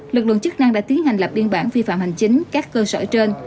lực lượng chức năng đã tiến hành lập biên bản vi phạm hành chính các cơ sở trên